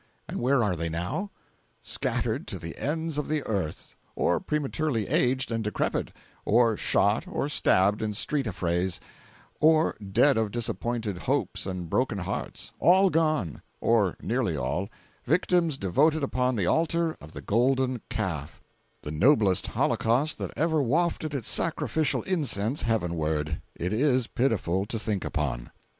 And where are they now? Scattered to the ends of the earth—or prematurely aged and decrepit—or shot or stabbed in street affrays—or dead of disappointed hopes and broken hearts—all gone, or nearly all—victims devoted upon the altar of the golden calf—the noblest holocaust that ever wafted its sacrificial incense heavenward. It is pitiful to think upon.